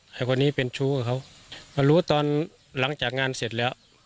ไอ้คนนี้เป็นชู้กับเขามารู้ตอนหลังจากงานเสร็จแล้ว